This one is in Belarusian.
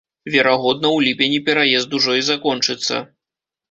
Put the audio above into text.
Верагодна, у ліпені пераезд ужо і закончыцца.